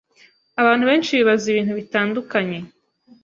Abantu benshi bibaza ibintu bitandukanye